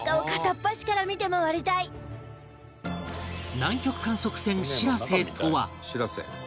南極観測船しらせとは